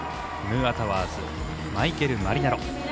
ムーアタワーズマイケル・マリナロ。